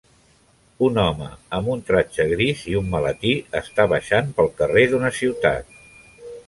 Un home amb un tratge gris i un maletí està baixant pel carrer d'una ciutat